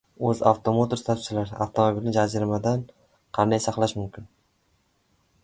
O‘zAvtomotors tavsiyalari: Avtomobilni jaziramadan qanday saqlash mumkin?